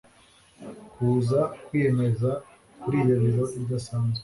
kuza kwiyemeza kuriyi biro idasanzwe